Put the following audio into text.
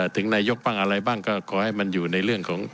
ถึงนายกบ้างอะไรบ้างก็ขอให้มันอยู่ในเรื่องของ